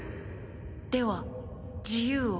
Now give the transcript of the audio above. では自由を。